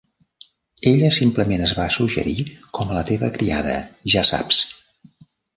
Ella simplement es va suggerir com a la teva criada, ja saps.